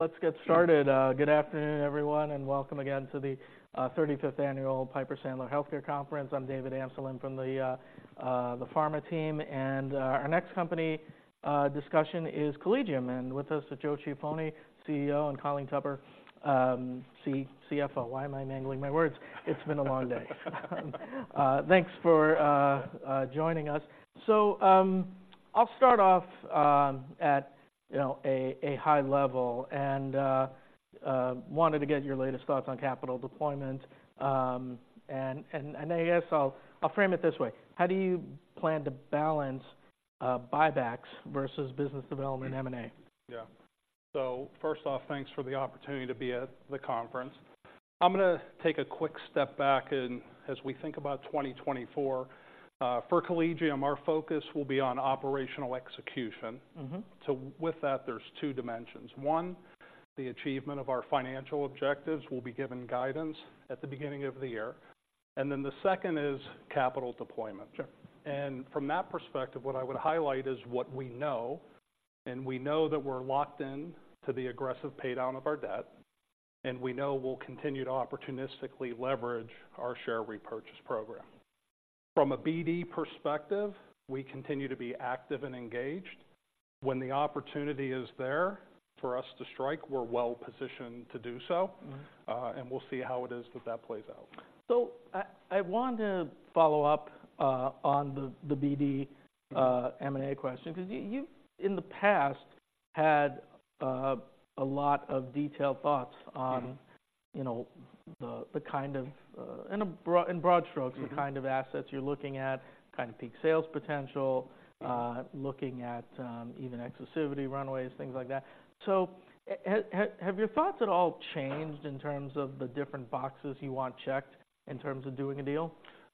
Let's get started. Good afternoon everyone, and welcome again to the 35th Annual Piper Sandler Healthcare Conference. I'm David Amsellem from the pharma team, and our next company discussion is Collegium. And with us is Joe Ciaffoni, CEO, and Colleen Tupper, CFO. Why am I mangling my words? It's been a long day. Thanks for joining us. So, I'll start off, you know, at a high level and wanted to get your latest thoughts on capital deployment. And I guess I'll frame it this way: how do you plan to balance buybacks versus business development M&A? Yeah. So first off, thanks for the opportunity to be at the conference. I'm gonna take a quick step back, and as we think about 2024, for Collegium, our focus will be on operational execution. Mm-hmm. With that, there's two dimensions. One, the achievement of our financial objectives. We'll be giving guidance at the beginning of the year, and then the second is capital deployment. Sure. From that perspective, what I would highlight is what we know, and we know that we're locked in to the aggressive paydown of our debt, and we know we'll continue to opportunistically leverage our share repurchase program. From a BD perspective, we continue to be active and engaged. When the opportunity is there for us to strike, we're well positioned to do so- Mm-hmm. We'll see how it is that that plays out. I want to follow up on the BD M&A question, because you've in the past had a lot of detailed thoughts on- Mm-hmm you know, the kind of, in broad strokes Mm-hmm the kind of assets you're looking at, kind of peak sales potential Yeah Looking at, even exclusivity runways, things like that. So have your thoughts at all changed in terms of the different boxes you want checked in terms of doing a deal?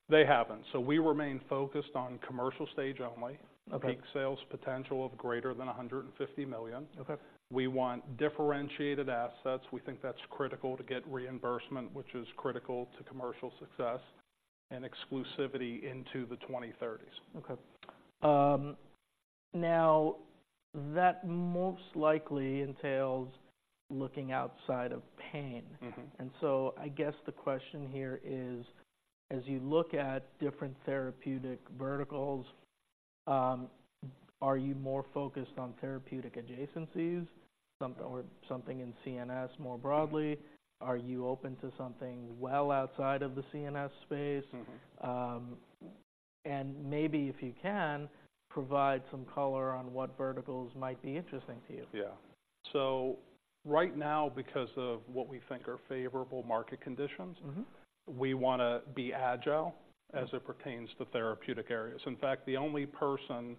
They haven't. So we remain focused on commercial stage only. Okay. Peak sales potential of greater than $150 million. Okay. We want differentiated assets. We think that's critical to get reimbursement, which is critical to commercial success and exclusivity into the 2030s. Okay. Now, that most likely entails looking outside of pain. Mm-hmm. I guess the question here is, as you look at different therapeutic verticals, are you more focused on therapeutic adjacencies, something or something in CNS more broadly? Mm-hmm. Are you open to something well outside of the CNS space? Mm-hmm. Maybe if you can, provide some color on what verticals might be interesting to you. Yeah. So right now, because of what we think are favorable market conditions- Mm-hmm We wanna be agile. Mm-hmm As it pertains to therapeutic areas. In fact, the only person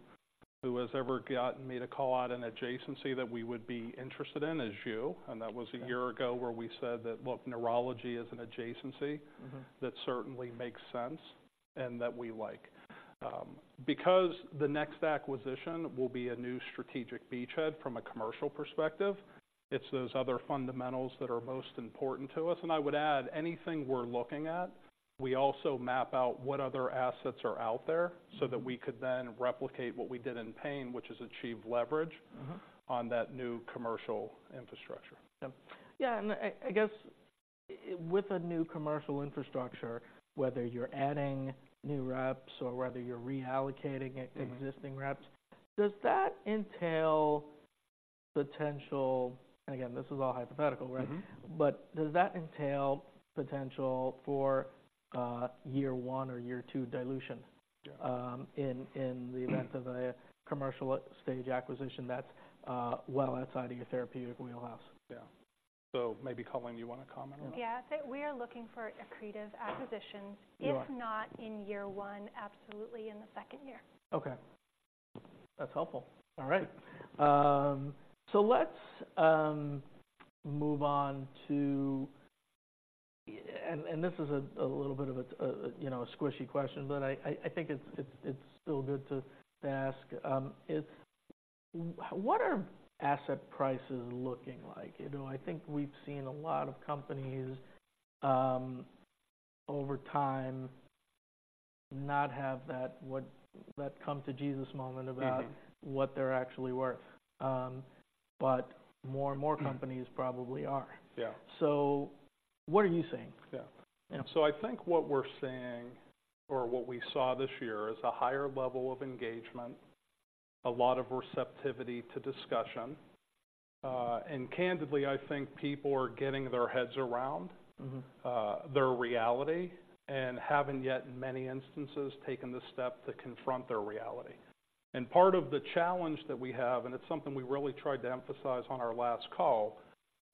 who has ever gotten me to call out an adjacency that we would be interested in is you, and that was- Yeah —a year ago, where we said that, "Look, neurology is an adjacency— Mm-hmm -that certainly makes sense and that we like. Because the next acquisition will be a new strategic beachhead from a commercial perspective, it's those other fundamentals that are most important to us. And I would add, anything we're looking at, we also map out what other assets are out there- Mm-hmm so that we could then replicate what we did in pain, which is achieve leverage Mm-hmm on that new commercial infrastructure. Yep. Yeah, and I, I guess with a new commercial infrastructure, whether you're adding new reps or whether you're reallocating existing reps- Mm-hmm Does that entail potential... And again, this is all hypothetical, right? Mm-hmm. Does that entail potential for year one or year two dilution- Yeah in the event- Mm -of a commercial stage acquisition that's, well outside of your therapeutic wheelhouse? Yeah. So maybe, Colleen, you want to comment on that? Yeah. I'd say we are looking for accretive acquisitions- We are. -if not in year one, absolutely in the second year. Okay. That's helpful. All right. So let's move on to... This is a little bit of a, you know, squishy question, but I think it's still good to ask. What are asset prices looking like? You know, I think we've seen a lot of companies over time not have that come to Jesus moment about- Mm-hmm -what they're actually worth. But more and more companies- Mm -probably are. Yeah. So what are you seeing? Yeah. Yeah. So I think what we're seeing, or what we saw this year, is a higher level of engagement, a lot of receptivity to discussion. And candidly, I think people are getting their heads around- Mm-hmm Their reality and haven't yet, in many instances, taken the step to confront their reality. Part of the challenge that we have, and it's something we really tried to emphasize on our last call,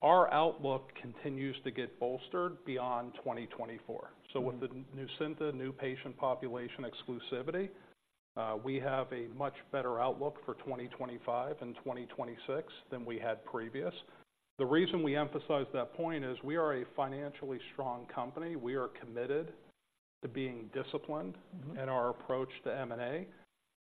our outlook continues to get bolstered beyond 2024. Mm-hmm. So with the Nucynta new patient population exclusivity, we have a much better outlook for 2025 and 2026 than we had previous. The reason we emphasize that point is we are a financially strong company. We are committed to being disciplined- Mm-hmm in our approach to M&A...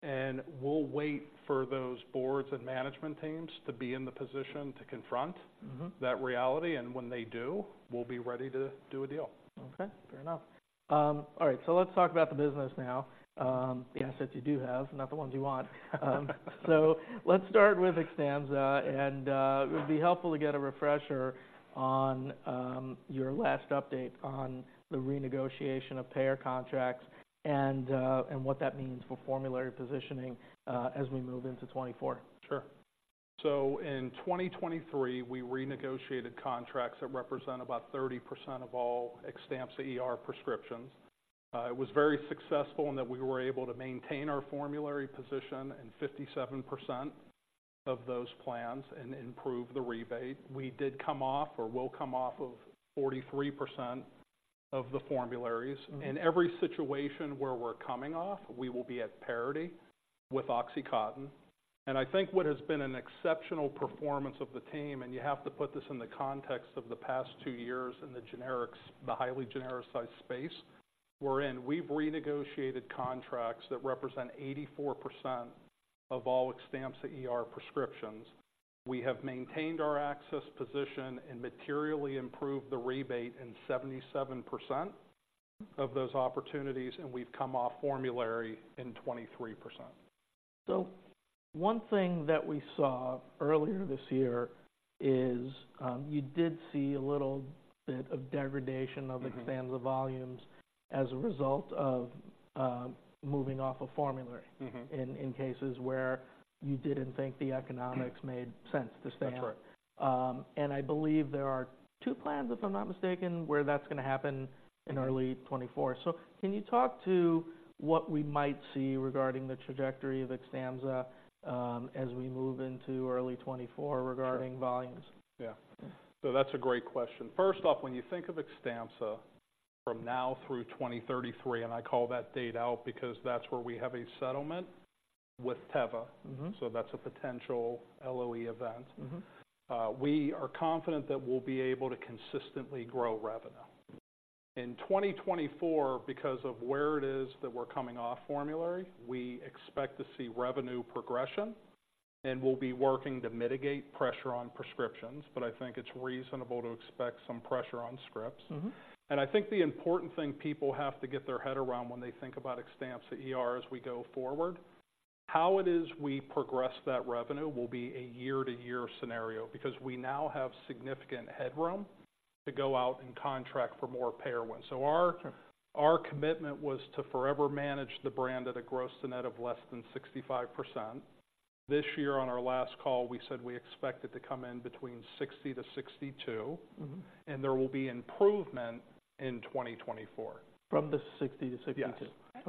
and we'll wait for those boards and management teams to be in the position to confront- Mm-hmm. that reality, and when they do, we'll be ready to do a deal. Okay, fair enough. All right, so let's talk about the business now. Yes. The assets you do have, not the ones you want. So let's start with Xtampza, and it would be helpful to get a refresher on your last update on the renegotiation of payer contracts and what that means for formulary positioning as we move into 2024. Sure. So in 2023, we renegotiated contracts that represent about 30% of all Xtampza ER prescriptions. It was very successful in that we were able to maintain our formulary position in 57% of those plans and improve the rebate. We did come off, or will come off of 43% of the formularies. Mm-hmm. In every situation where we're coming off, we will be at parity with OxyContin. And I think what has been an exceptional performance of the team, and you have to put this in the context of the past two years in the generics, the highly genericized space we're in. We've renegotiated contracts that represent 84% of all Xtampza ER prescriptions. We have maintained our access position and materially improved the rebate in 77% of those opportunities, and we've come off formulary in 23%. One thing that we saw earlier this year is, you did see a little bit of degradation of- Mm-hmm -Xtampza volumes as a result of, moving off a formulary- Mm-hmm In cases where you didn't think the economics made sense to stay on. That's right. And I believe there are two plans, if I'm not mistaken, where that's gonna happen in early 2024. So can you talk to what we might see regarding the trajectory of Xtampza, as we move into early 2024? Sure -regarding volumes? Yeah. Yeah. So that's a great question. First off, when you think of Xtampza from now through 2033, and I call that date out because that's where we have a settlement with Teva. Mm-hmm. That's a potential LOE event. Mm-hmm. We are confident that we'll be able to consistently grow revenue. In 2024, because of where it is that we're coming off formulary, we expect to see revenue progression, and we'll be working to mitigate pressure on prescriptions, but I think it's reasonable to expect some pressure on scripts. Mm-hmm. I think the important thing people have to get their head around when they think about Xtampza ER as we go forward, how it is we progress that revenue will be a year-to-year scenario because we now have significant headroom to go out and contract for more payer wins. So our- Sure... our commitment was to forever manage the brand at a gross to net of less than 65%. This year, on our last call, we said we expect it to come in between 60%-62%. Mm-hmm. There will be improvement in 2024. From the 60-62? Yes. Okay.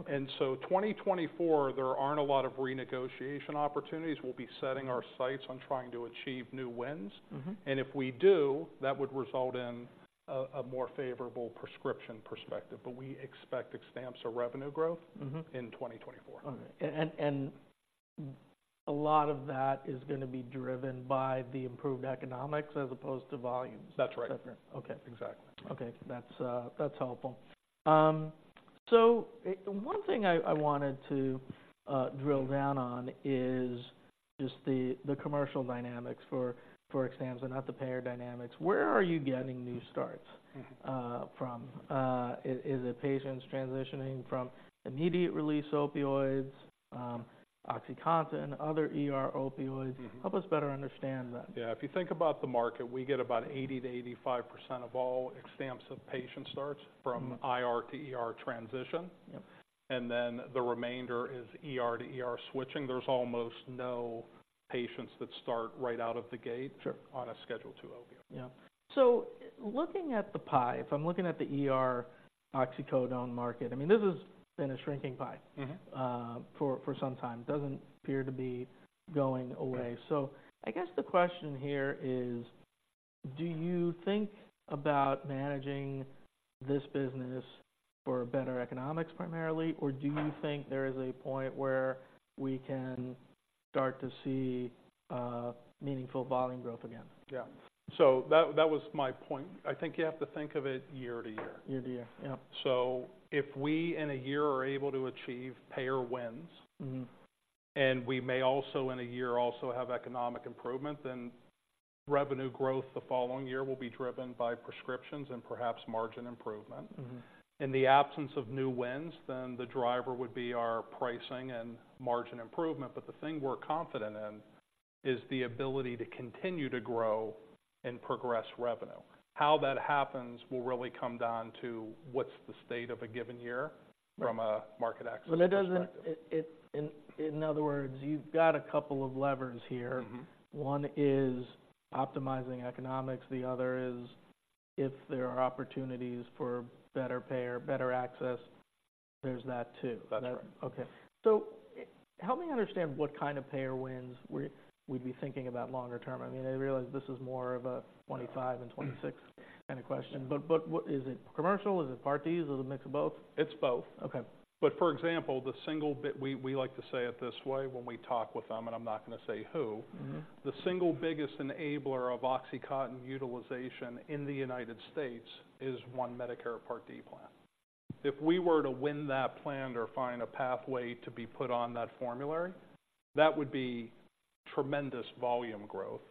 And so 2024, there aren't a lot of renegotiation opportunities. We'll be setting our sights on trying to achieve new wins. Mm-hmm. If we do, that would result in a more favorable prescription perspective, but we expect Xtampza revenue growth- Mm-hmm in 2024. Okay. And a lot of that is gonna be driven by the improved economics as opposed to volumes? That's right. Okay. Exactly. Okay. That's, that's helpful. So one thing I, I wanted to drill down on is just the, the commercial dynamics for, for Xtampza, not the payer dynamics. Where are you getting new starts? Mm-hmm From? Is it patients transitioning from immediate-release opioids, OxyContin, other ER opioids? Mm-hmm. Help us better understand that. Yeah. If you think about the market, we get about 80%-85% of all Xtampza patient starts from- Mm... IR to ER transition. Yep. Then the remainder is ER to ER switching. There's almost no patients that start right out of the gate- Sure on a Schedule II opiate. Yeah. So looking at the pie, if I'm looking at the ER oxycodone market, I mean, this has been a shrinking pie. Mm-hmm For some time. Doesn't appear to be going away. Sure. I guess the question here is: Do you think about managing this business for better economics primarily, or do you think there is a point where we can start to see meaningful volume growth again? Yeah. So that, that was my point. I think you have to think of it year to year. Year-to-year. Yep. So if we, in a year, are able to achieve payer wins- Mm-hmm... and we may also, in a year, also have economic improvement, then revenue growth the following year will be driven by prescriptions and perhaps margin improvement. Mm-hmm. In the absence of new wins, then the driver would be our pricing and margin improvement. But the thing we're confident in is the ability to continue to grow and progress revenue. How that happens will really come down to: What's the state of a given year- Sure from a market access perspective? But it doesn't. In other words, you've got a couple of levers here. Mm-hmm. One is optimizing economics. The other is if there are opportunities for better payer, better access. There's that, too. That's right. Okay. So help me understand what kind of payer wins we'd be thinking about longer term. I mean, I realize this is more of a 25 and 26 kind of question, but what... Is it commercial? Is it Part D? Is it a mix of both? It's both. Okay. But, for example, the single bit... We like to say it this way when we talk with them, and I'm not gonna say who. Mm-hmm. The single biggest enabler of OxyContin utilization in the United States is one Medicare Part D plan. If we were to win that plan or find a pathway to be put on that formulary, that would be tremendous volume growth.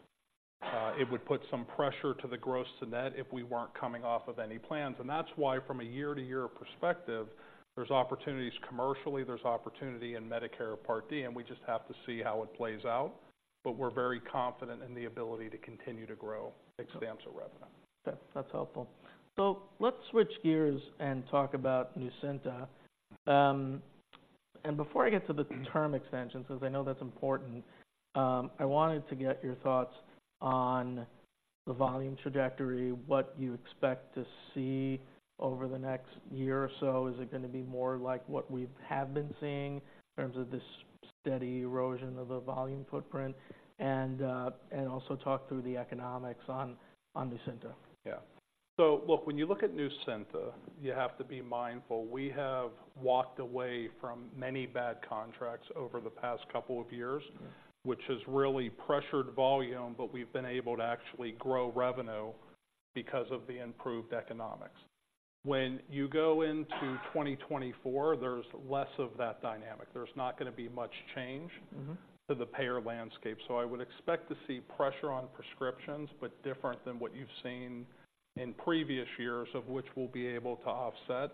It would put some pressure to the gross-to-net if we weren't coming off of any plans. And that's why, from a year-to-year perspective, there's opportunities commercially, there's opportunity in Medicare Part D, and we just have to see how it plays out. But we're very confident in the ability to continue to grow Xtampza revenue. Okay, that's helpful. So let's switch gears and talk about Nucynta. And before I get to the term extensions, because I know that's important, I wanted to get your thoughts on the volume trajectory, what you expect to see over the next year or so. Is it gonna be more like what we have been seeing in terms of this steady erosion of the volume footprint? And also talk through the economics on Nucynta. Yeah. So look, when you look at Nucynta, you have to be mindful. We have walked away from many bad contracts over the past couple of years, which has really pressured volume, but we've been able to actually grow revenue because of the improved economics. When you go into 2024, there's less of that dynamic. There's not gonna be much change- Mm-hmm. to the payer landscape. So I would expect to see pressure on prescriptions, but different than what you've seen in previous years, of which we'll be able to offset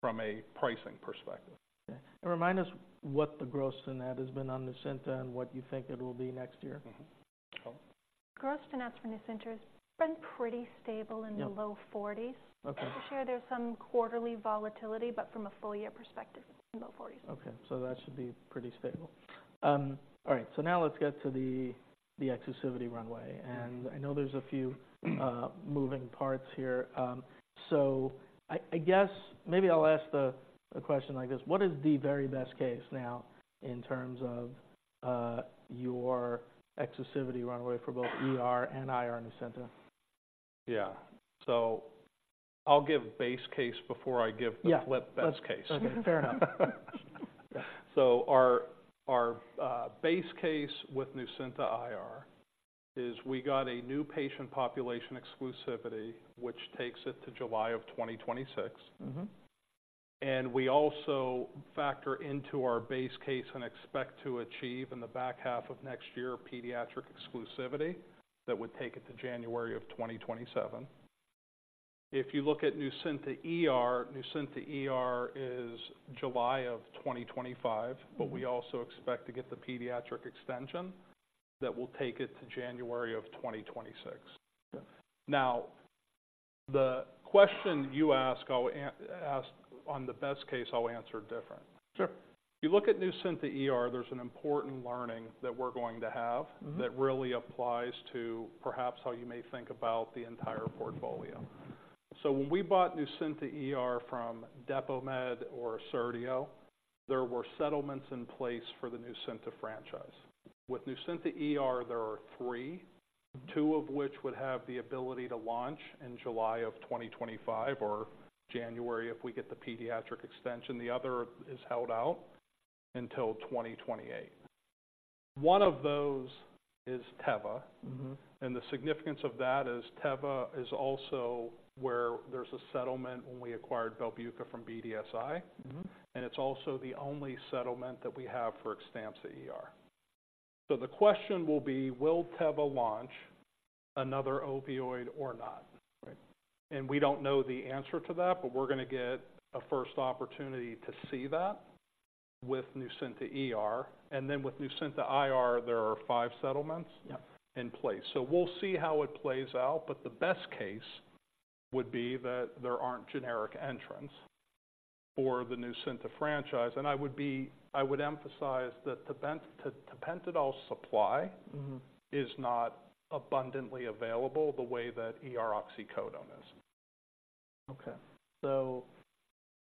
from a pricing perspective. Okay. And remind us what the Gross to Net has been on Nucynta and what you think it will be next year? Mm-hmm. Gross to Net for Nucynta has been pretty stable- Yeah. -in the low 40s. Okay. For sure, there's some quarterly volatility, but from a full year perspective, it's in the low 40s. Okay, so that should be pretty stable. All right, so now let's get to the exclusivity runway. I know there's a few moving parts here. So I guess, maybe I'll ask a question like this: What is the very best case now in terms of your exclusivity runway for both ER and IR Nucynta? Yeah. So I'll give base case before I give- Yeah the flip best case. Okay. Fair enough. Our base case with Nucynta IR is we got a new patient population exclusivity, which takes it to July of 2026. Mm-hmm. We also factor into our base case and expect to achieve in the back half of next year, pediatric exclusivity that would take it to January 2027. If you look at Nucynta ER, Nucynta ER is July 2025- Mm-hmm. but we also expect to get the pediatric extension that will take it to January of 2026. Okay. Now, the question you ask, I'll answer on the best case, I'll answer it different. Sure. If you look at Nucynta ER, there's an important learning that we're going to have- Mm-hmm... that really applies to perhaps how you may think about the entire portfolio. So when we bought Nucynta ER from Depomed or Assertio, there were settlements in place for the Nucynta franchise. With Nucynta ER, there are three, two of which would have the ability to launch in July of 2025 or January, if we get the pediatric extension. The other is held out until 2028. One of those is Teva. Mm-hmm. The significance of that is Teva is also where there's a settlement when we acquired Belbuca from BDSI. Mm-hmm. It's also the only settlement that we have for XTAMPZA ER. The question will be: Will Teva launch another opioid or not? Right. And we don't know the answer to that, but we're gonna get a first opportunity to see that with Nucynta ER. And then with Nucynta IR, there are five settlements. Yeah in place. So we'll see how it plays out, but the best case would be that there aren't generic entrants for the Nucynta franchise. I would emphasize that the tapentadol supply- Mm-hmm is not abundantly available the way that ER oxycodone is. Okay. So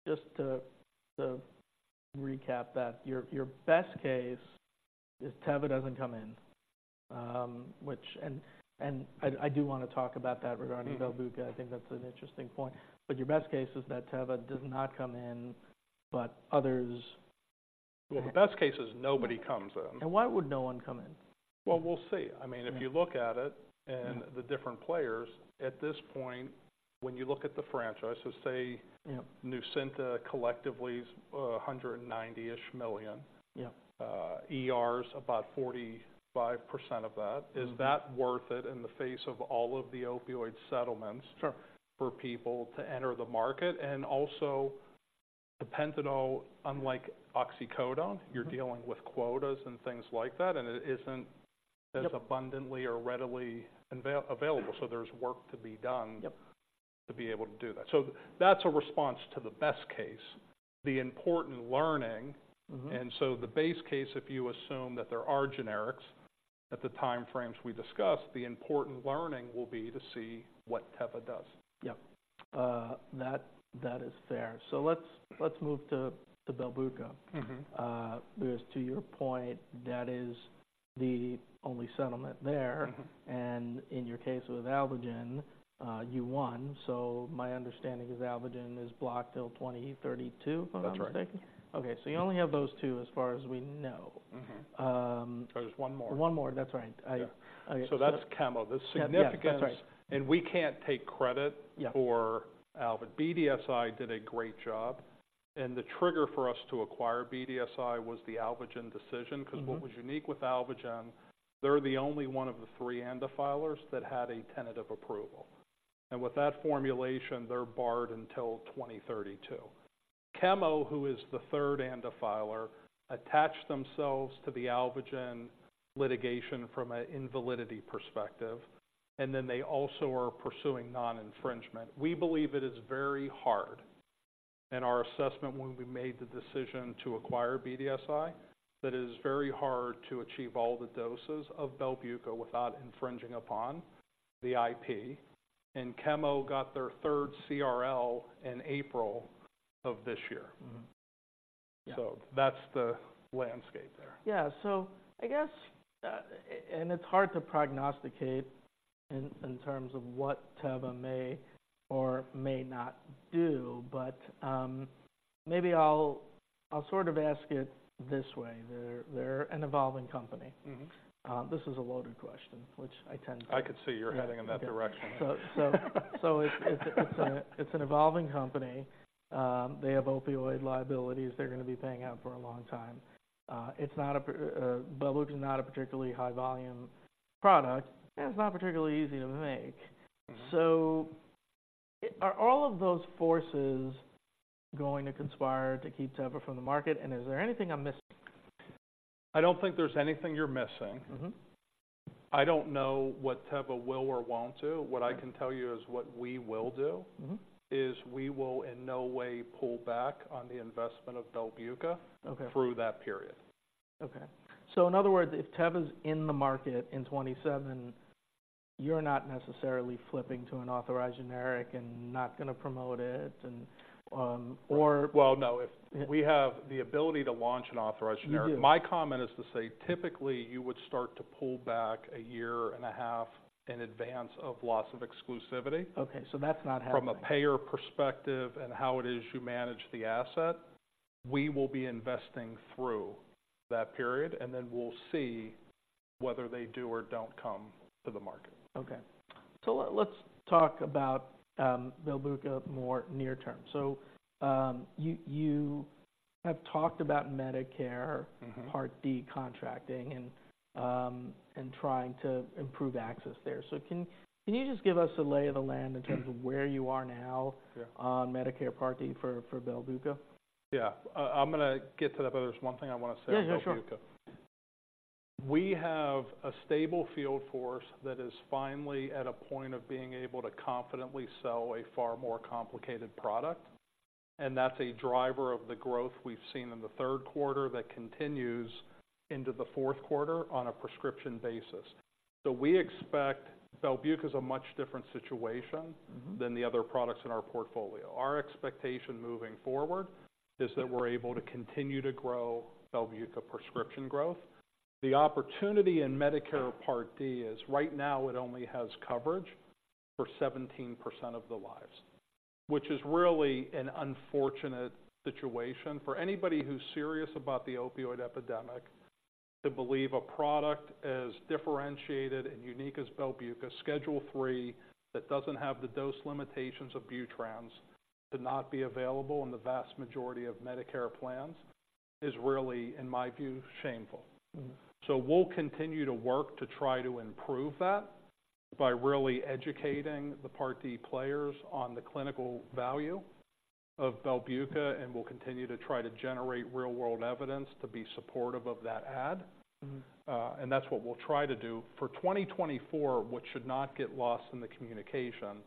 just to recap that, your best case is Teva doesn't come in, which... And, I do wanna talk about that regarding- Mm-hmm Belbuca. I think that's an interesting point. But your best case is that Teva does not come in, but others- Well, the best case is nobody comes in. Why would no one come in? Well, we'll see. I mean, if you look at it- Yeah -and the different players, at this point, when you look at the franchise, so say- Yeah Nucynta collectively is $190-ish million. Yeah. ER's about 45% of that. Mm-hmm. Is that worth it in the face of all of the opioid settlements? Sure for people to enter the market? And also, the tapentadol, unlike oxycodone- Mm-hmm you're dealing with quotas and things like that, and it isn't- Yep as abundantly or readily available, so there's work to be done. Yep To be able to do that. So that's a response to the best case, the important learning. Mm-hmm. And so the base case, if you assume that there are generics at the time frames we discussed, the important learning will be to see what Teva does. Yep. That is fair. So let's move to Belbuca. Mm-hmm. Whereas to your point, that is the only settlement there. Mm-hmm. In your case with Alvogen, you won. My understanding is Alvogen is blocked till 2032, if I'm understanding? That's right. Okay, so you only have those two, as far as we know. Mm-hmm. Um- There's one more. One more, that's right. Yeah. I- That's KemPharm. The significance- Yeah, that's right. We can't take credit- Yeah for Alvogen. BDSI did a great job.... And the trigger for us to acquire BDSI was the Alvogen decision. Mm-hmm. Because what was unique with Alvogen, they're the only one of the three ANDA filers that had a tentative approval. And with that formulation, they're barred until 2032. Kempharm, who is the third ANDA filer, attached themselves to the Alvogen litigation from an invalidity perspective, and then they also are pursuing non-infringement. We believe it is very hard, in our assessment, when we made the decision to acquire BDSI, that it is very hard to achieve all the doses of Belbuca without infringing upon the IP. And Kempharm got their third CRL in April of this year. Mm-hmm. Yeah. That's the landscape there. Yeah. So I guess, and it's hard to prognosticate in terms of what Teva may or may not do, but, maybe I'll sort of ask it this way. They're an evolving company. Mm-hmm. This is a loaded question, which I tend to... I could see you're heading in that direction. So it's an evolving company. They have opioid liabilities they're gonna be paying out for a long time. Belbuca is not a particularly high volume product, and it's not particularly easy to make. Mm-hmm. Are all of those forces going to conspire to keep Teva from the market, and is there anything I'm missing? I don't think there's anything you're missing. Mm-hmm. I don't know what Teva will or won't do. What I can tell you is what we will do- Mm-hmm... is we will in no way pull back on the investment of Belbuca- Okay through that period. Okay. So in other words, if Teva's in the market in 2027, you're not necessarily flipping to an authorized generic and not gonna promote it and, or- Well, no, if... We have the ability to launch an authorized generic. You do. My comment is to say, typically, you would start to pull back a year and a half in advance of loss of exclusivity. Okay, so that's not happening. From a payer perspective and how it is you manage the asset, we will be investing through that period, and then we'll see whether they do or don't come to the market. Okay. So let's talk about Belbuca more near term. So, you have talked about Medicare- Mm-hmm Part D contracting and trying to improve access there. So can you just give us a lay of the land in terms of where you are now- Yeah -on Medicare Part D for Belbuca? Yeah. I'm gonna get to that, but there's one thing I want to say about Belbuca. Yeah, yeah, sure. We have a stable field force that is finally at a point of being able to confidently sell a far more complicated product, and that's a driver of the growth we've seen in the third quarter that continues into the fourth quarter on a prescription basis. So we expect Belbuca is a much different situation- Mm-hmm —than the other products in our portfolio. Our expectation moving forward is that we're able to continue to grow Belbuca prescription growth. The opportunity in Medicare Part D is, right now, it only has coverage for 17% of the lives, which is really an unfortunate situation for anybody who's serious about the opioid epidemic, to believe a product as differentiated and unique as Belbuca, Schedule III, that doesn't have the dose limitations of Butrans, to not be available in the vast majority of Medicare plans, is really, in my view, shameful. Mm-hmm. So we'll continue to work to try to improve that by really educating the Part D players on the clinical value of Belbuca, and we'll continue to try to generate real-world evidence to be supportive of that ad. Mm-hmm. And that's what we'll try to do. For 2024, what should not get lost in the communication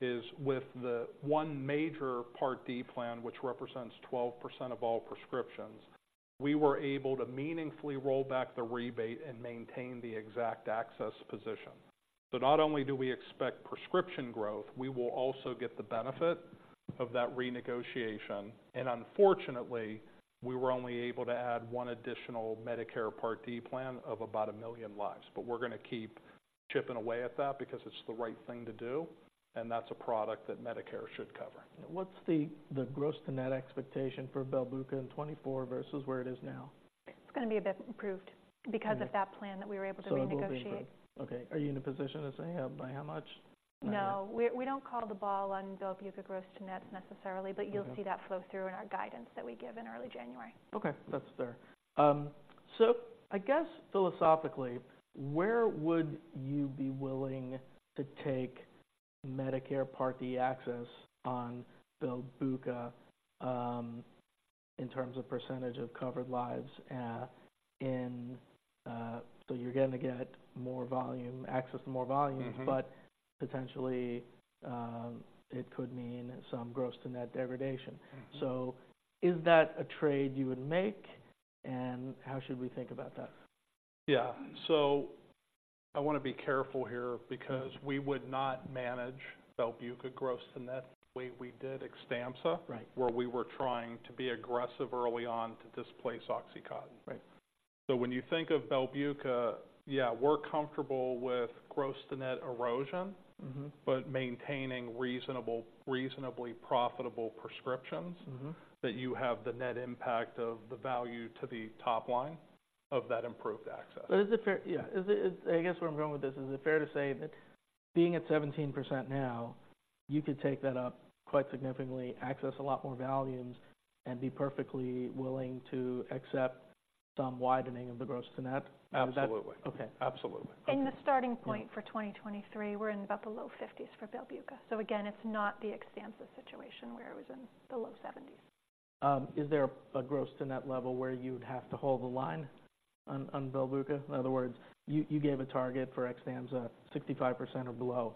is, with the one major Part D plan, which represents 12% of all prescriptions, we were able to meaningfully roll back the rebate and maintain the exact access position. So not only do we expect prescription growth, we will also get the benefit of that renegotiation. And unfortunately, we were only able to add one additional Medicare Part D plan of about a million lives. But we're gonna keep chipping away at that because it's the right thing to do, and that's a product that Medicare should cover. What's the gross to net expectation for Belbuca in 2024 versus where it is now? It's gonna be a bit improved- Yeah because of that plan that we were able to renegotiate. So it will improve. Okay, are you in a position to say, by how much? No. We don't call the ball on Belbuca gross to net necessarily. Okay But you'll see that flow through in our guidance that we give in early January. Okay, that's fair. So I guess philosophically, where would you be willing to take Medicare Part D access on Belbuca, in terms of percentage of covered lives. So you're gonna get more volume, access to more volume- Mm-hmm -but potentially, it could mean some Gross to Net degradation. Mm-hmm. So is that a trade you would make, and how should we think about that? Yeah. So I want to be careful here because we would not manage Belbuca gross to net the way we did Xtampza- Right Where we were trying to be aggressive early on to displace OxyContin. Right. So when you think of Belbuca, yeah, we're comfortable with gross to net erosion- Mm-hmm but maintaining reasonable, reasonably profitable prescriptions. Mm-hmm. That you have the net impact of the value to the top line of that improved access. But is it fair? Yeah, is it? I guess where I'm going with this, is it fair to say that being at 17% now, you could take that up quite significantly, access a lot more volumes, and be perfectly willing to accept some widening of the gross-to-net? Absolutely. Okay. Absolutely. Okay. In the starting point for 2023, we're in about the low 50s for Belbuca. So again, it's not the Xtampza situation, where it was in the low 70s. Is there a gross to net level where you'd have to hold the line on Belbuca? In other words, you gave a target for Xtampza, 65% or below.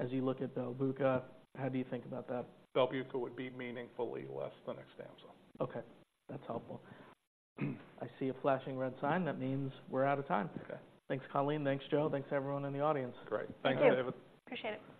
As you look at Belbuca, how do you think about that? Belbuca would be meaningfully less than Xtampza. Okay, that's helpful. I see a flashing red sign, that means we're out of time. Okay. Thanks, Colleen. Thanks, Joe. Thanks to everyone in the audience. Great. Thank you. Thanks, David. Appreciate it.